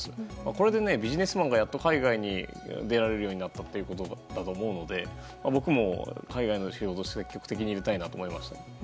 これでビジネスマンがやっと海外に出られるようになったということだと思うので僕も海外の仕事を積極的にやりたいと思います。